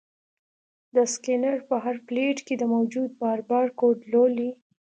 دا سکینر په هر پلیټ کې د موجود بار بارکوډ لولي.